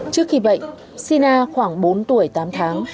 trước khi bệnh sina khoảng bốn tuổi tám tháng